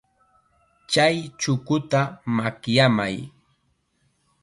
Chay chukuta makyamay.